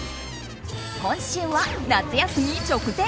今週は夏休み直前！